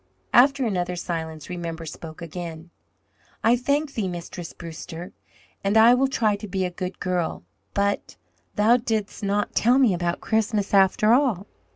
After another silence Remember spoke again: "I thank thee, Mistress Brewster. And I will try to be a good girl. But thou didst not tell me about Christmas after all."